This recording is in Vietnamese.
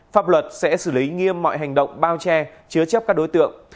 pháp luật sẽ xử lý nghiêm mọi hành động bao che chứa chấp các đối tượng